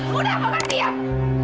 sudah mau ketiam